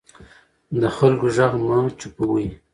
د خلکو غږ مه چوپوئ